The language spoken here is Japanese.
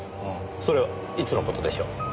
それはいつの事でしょう？